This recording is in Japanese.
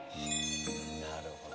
なるほど。